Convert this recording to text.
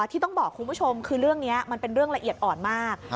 ที่ต้องบอกคุณผู้ชมคือเรื่องนี้มันเป็นเรื่องละเอียดอ่อนมาก